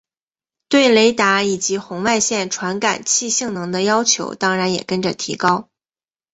对雷达以及红外线传感器性能的要求当然也跟着提高。